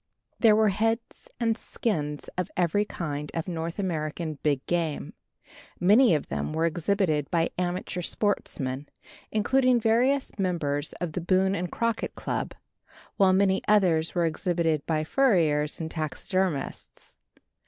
There were heads and skins of every kind of North American big game. Many of them were exhibited by amateur sportsmen, including various members of the Boone and Crockett Club, while many others were exhibited by furriers and taxidermists.